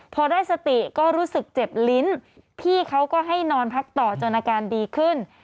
พอได้สติก็รู้สึกเจ็บลิ้นพี่เขาก็ให้นอนพักต่อจนอาการดีขึ้น